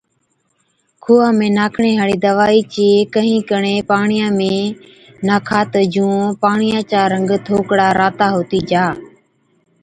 کُوها ۾ ناکڻي هاڙِي دوائِي چي ڪهِين ڪڻي پاڻِيان ۾ ناکا تہ جُون پاڻِيان چا رنگ ٿوڪڙا راتا هُتِي جا